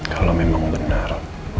kalau memang benar